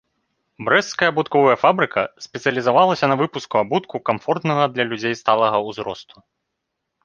Брэсцкая абутковая фабрыка спецыялізавалася на выпуску абутку камфортнага для людзей сталага ўзросту.